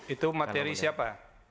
itu materi siapa